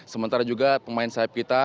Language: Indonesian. sementara juga pemain sayap kita